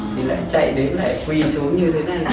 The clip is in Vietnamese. thì lại chạy đến lại quỳ xuống như thế này